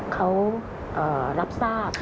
เขารับทราบ